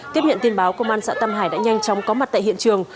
tiếp nhận tin báo công an xã tam hải đã nhanh chóng có mặt tại hiện trường